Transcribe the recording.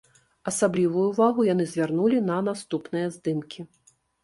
Асаблівую ўвагу яны звярнулі на наступныя здымкі.